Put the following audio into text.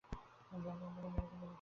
ঘর অন্ধকার, নীলু কিছু দেখতে পাচ্ছে না।